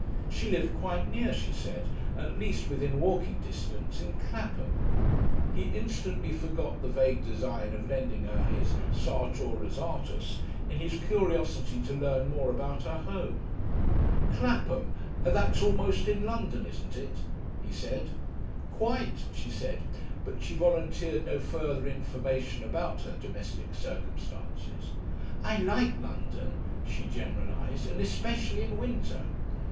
She lived quite near, she said, at least within walking distance, in Clapham. He instantly forgot the vague design of lending her his "Sartor Resartus" in his curiosity to learn more about her home. "Clapham that's almost in London, isn't it?" he said. "Quite," she said, but she volunteered no further information about her domestic circumstances, "I like London," she generalised, "and especially in winter."